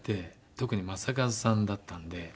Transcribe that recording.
特に正和さんだったんで。